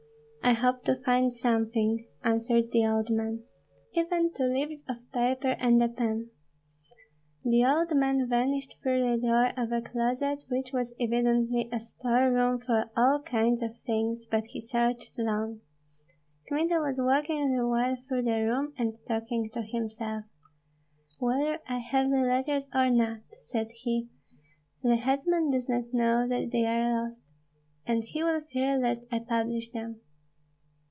"I hope to find something," answered the old man. "Even two leaves of paper and a pen." The old man vanished through the door of a closet which was evidently a storeroom for all kinds of things, but he searched long. Kmita was walking the while through the room, and talking to himself, "Whether I have the letters or not," said he, "the hetman does not know that they are lost, and he will fear lest I publish them.